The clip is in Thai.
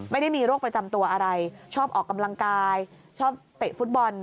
ไม่ได้มีโรคประจำตัวอะไรชอบออกกำลังกายชอบเตะฟุตบอล